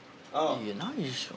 いやないでしょ。